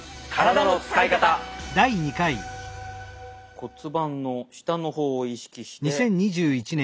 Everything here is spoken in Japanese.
骨盤の下の方を意識してこの仙骨を。